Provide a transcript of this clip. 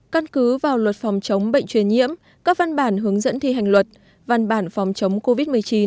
căn cứ vào luật phòng chống bệnh truyền nhiễm các văn bản hướng dẫn thi hành luật văn bản phòng chống covid một mươi chín